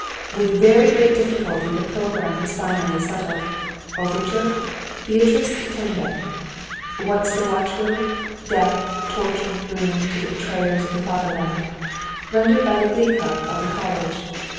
With very great difficulty the programme was finally settled. Overture: Beatrice di Tenda. "What's the watchword? Death, torture, ruin, to the betrayers of the fatherland!" rendered by the glee club of the College.